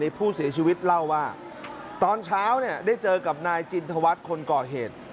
ผู้เสียชีวิตเล่าว่าตอนเช้าเนี่ยได้เจอกับนายจินทวัฒน์คนก่อเหตุ